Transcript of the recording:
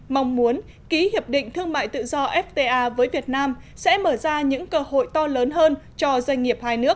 mong muốn ký hiệp định thương mại tự do fta với việt nam sẽ mở ra những cơ hội to lớn hơn cho doanh nghiệp hai nước